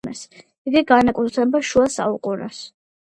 იგი განეკუთვნება შუა საუკუნეებს.